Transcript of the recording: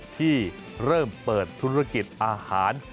ที่เริ่มเปิดธุรกิจอาหาร